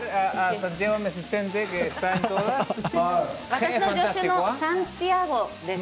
私の助手のサンティアゴです。